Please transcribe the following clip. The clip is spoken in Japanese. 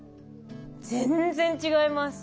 全然違います。